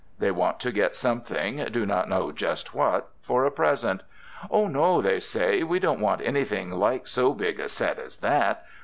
They want to get something, do not know just what, for a present. "Oh, no!" they say, "we don't want anything like so big a set as that.